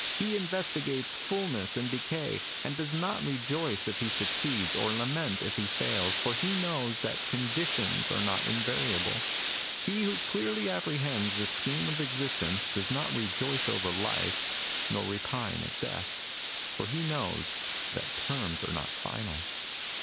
He investigates fulness and decay, and does not rejoice if he succeeds, nor lament if he fails ; for he knows that conditions are not invariable. He who clearly apprehends the scheme of existence does not rejoice over life, nor repine at death ; for he knows that terms are not final.